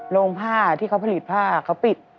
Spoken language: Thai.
โรงผ้าที่เขาผลิตผ้าเขาปิด